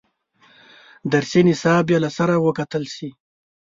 درسي نصاب یې له سره وکتل شي.